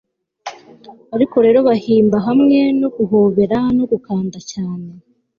ariko rero bahimba hamwe no guhobera no gukanda cyane